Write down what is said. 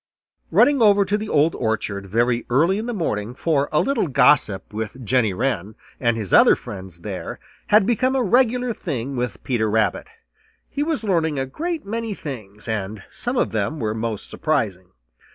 Running over to the Old Orchard very early in the morning for a little gossip with Jenny Wren and his other friends there had become a regular thing with Peter Rabbit. He was learning a great many things, and some of them were most surprising.